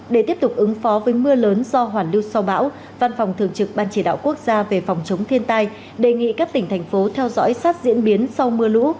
để tiếp tục ứng phó với mưa lớn do hoàn lưu sau bão văn phòng thường trực ban chỉ đạo quốc gia về phòng chống thiên tai đề nghị các tỉnh thành phố theo dõi sát diễn biến sau mưa lũ